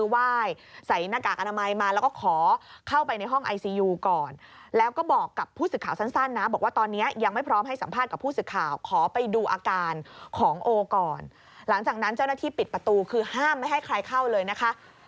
ให้สัมภาษณ์กับผู้สิทธิ์ข่าวขอไปดูอาการของโอก่อนหลังจากนั้นเจ้าหน้าที่ปิดประตูคือห้ามให้ใครเข้าเลยนะคะ